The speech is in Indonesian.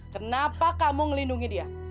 kenapa kamu ngelindungi dia